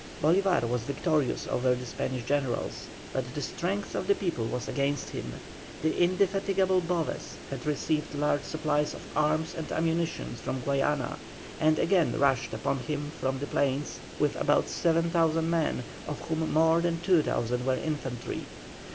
Bolívar was victorious over the Spanish generals, but the strength of the people was against him. The indefatigable Boves had received large supplies of arms and ammunition from Guayana, and again rushed upon him from the plains with about 7,000 men, of whom more than 2,000 were infantry.